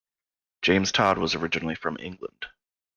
James Todd was originally from England.